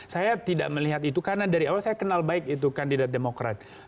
saya tidak melihat itu karena dari awal saya kenal baik itu kandidat demokrat